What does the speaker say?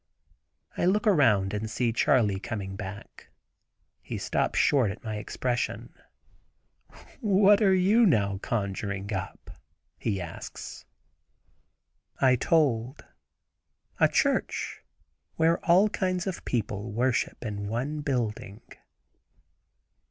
I look around and see Charley coming back. He stops short at my expression. "What are you now conjuring up?" he asks. I told, "a church, where all kinds of people worship in one building."